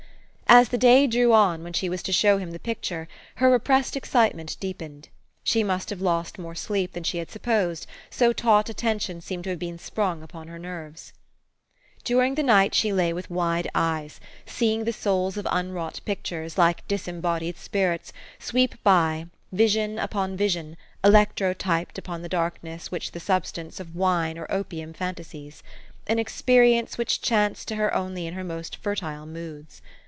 As the day drew on when she was to show him the picture, her repressed excitement deepened. She must have lost more sleep than she had sup posed, so taut a tension seemed to have been sprung upon her nerves. During the night she lay with wide eyes, seeing the souls of unwrought pictures, like disembodied spirits, sweep by, vision upon vision, electrotyped upon the darkness with the substance of wine or opium fantasies ; an experience which chanced to her only in her most fertile moods.